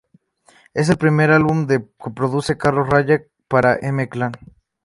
Es el primer álbum que produce Carlos Raya para M Clan.